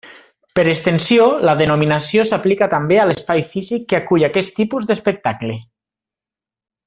Per extensió, la denominació s'aplica també a l'espai físic que acull aquest tipus d'espectacle.